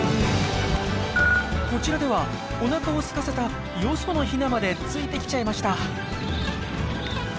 こちらではおなかをすかせたよそのヒナまでついてきちゃいました！